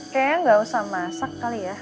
kayaknya nggak usah masak kali ya